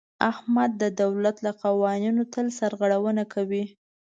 احمد د دولت له قوانینو تل سرغړونه کوي.